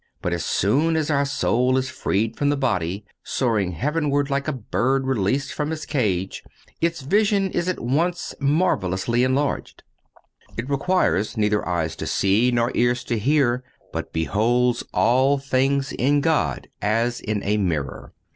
But as soon as our soul is freed from the body, soaring heavenward like a bird released from its cage, its vision is at once marvelously enlarged. It requires neither eyes to see nor ears to hear, but beholds all things in God as in a mirror.